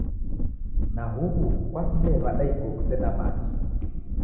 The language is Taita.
Na u'wu kwasinde w'ada iguo kusena machi?